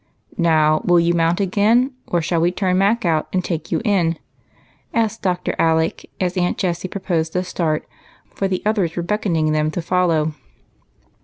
Now,* will you mount again, or shall we turn Mac out and take you in ?" asked Dr. Alec, as Aunt Jessie proposed a start, for the others were beckoning them to follow.